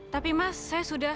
tapi mas saya sudah